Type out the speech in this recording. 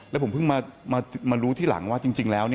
แล้วผมเพิ่งมารู้ทีหลังว่าจริงแล้ว